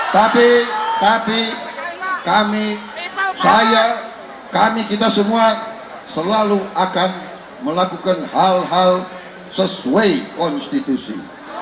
tapi tapi kami saya kami kita semua selalu akan melakukan hal hal sesuai konstitusi